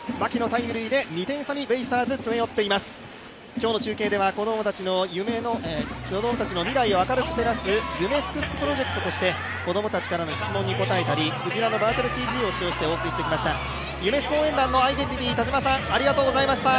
今日の中継では子供たちの未来を明るく照らす夢すくすくプロジェクトとして、子供たちからの質問に答えたり、くじらのバーチャルＣＧを使用してお送りしてまいりました。